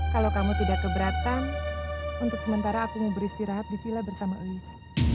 kalau kamu tidak keberatan untuk sementara aku mau beristirahat di villa bersama elis